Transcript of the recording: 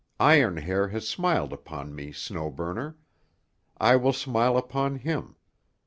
Iron Hair has smiled upon me, Snow Burner. I will smile upon him.